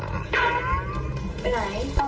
ไปไหนห้ะ